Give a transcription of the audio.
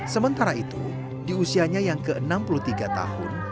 sementara itu di usianya yang ke enam puluh tiga tahun